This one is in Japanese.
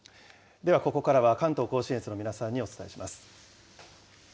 ではここからは関東甲信越の皆さんにお伝えします。